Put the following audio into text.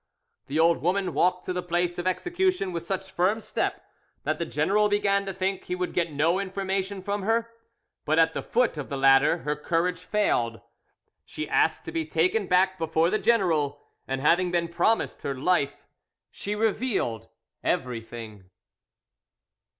The old woman walked to the place of execution with such a firm step that the general began to think he would get no information from her, but at the foot of the ladder her courage failed. She asked to be taken back before the general, and having been promised her life, she revealed everything.